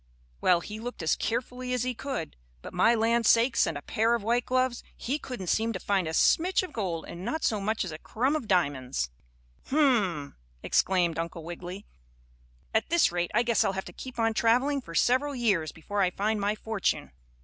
Well, he looked as carefully as he could, but my land sakes and a pair of white gloves! he couldn't seem to find a smitch of gold and not so much as a crumb of diamonds. "Hum!" exclaimed Uncle Wiggily, "at this rate I guess I'll have to keep on traveling for several years before I find my fortune.